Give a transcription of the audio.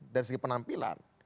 dari segi penampilan